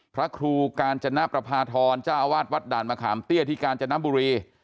พระครูกาญจนประพาทรเจ้าอาวาสวัดด่านมะขามเตี้ยที่กาญจนบุรี